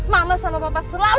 mama sama papa selalu berbicara